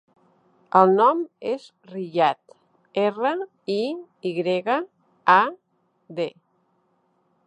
El nom és Riyad: erra, i, i grega, a, de.